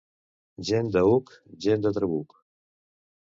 Gent d'aüc, gent de trabuc.